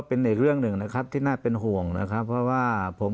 เป็นอีกเรื่องหนึ่งนะครับที่น่าเป็นห่วงนะครับเพราะว่าผม